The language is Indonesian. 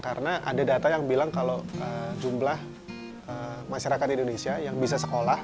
karena ada data yang bilang kalau jumlah masyarakat indonesia yang bisa sekolah